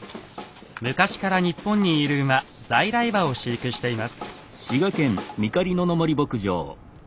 昔から日本にいる馬在来馬を飼育しています。